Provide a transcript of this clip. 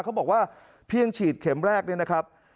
เขาบอกว่าเพียงฉีดเข็มแรกเนี่ยนะครับ